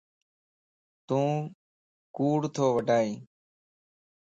تون ڪوڙ تو وڊائين